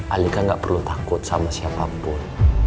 alika gak perlu takut sama siapapun